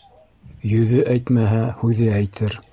Йөҙө әйтмәһә, һүҙе әйтер.